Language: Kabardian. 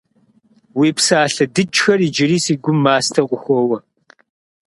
Уи псалъэ дыджхэр иджыри си гум мастэу къыхоуэ.